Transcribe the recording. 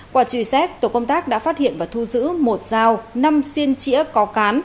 qua truy xét tổ công tác đã phát hiện và thu giữ một giao năm xiên trĩa có cán